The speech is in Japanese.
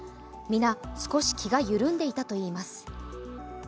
皆、少し気が緩んでいたといいます。